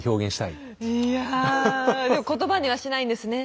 いやでも言葉にはしないんですね。